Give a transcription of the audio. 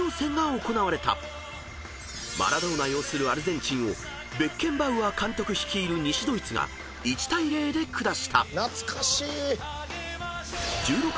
［マラドーナ擁するアルゼンチンをベッケンバウアー監督率いる西ドイツが１対０で下した］